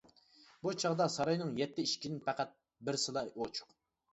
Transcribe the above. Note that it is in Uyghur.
بۇ چاغدا ساراينىڭ يەتتە ئىشىكىدىن پەقەت بىرسىلا ئوچۇق.